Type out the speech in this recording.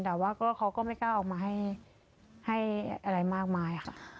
แต่ว่าเขาก็ไม่กล้าออกมาให้อะไรมากมายค่ะ